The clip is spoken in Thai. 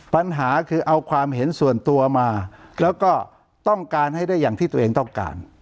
ปัญหาคือเอาความเห็นส่วนตัวมาแล้วก็ต้องการให้ได้อย่างที่ตัวเองต้องการ